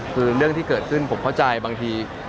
คือเรื่องที่เกิดขึ้นผมเข้าใจบางที